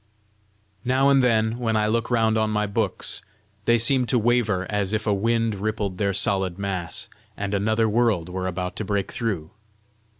Now and then, when I look round on my books, they seem to waver as if a wind rippled their solid mass, and another world were about to break through.